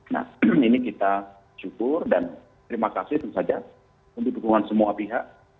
nah ini kita syukur dan terima kasih tentu saja untuk dukungan semua pihak